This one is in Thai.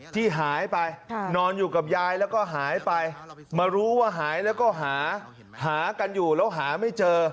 ที่หายไปนอนอยู่กับยายแล้วก็หายไปมารู้ว่าหายแล้วก็หากันอยู่แล้วหาไม่เจอ